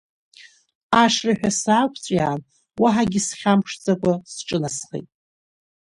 Ашырҳәа саақәҵәиаан, уаҳагьы схьамԥшӡакәа, сҿынасхеит.